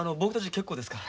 結構ですから。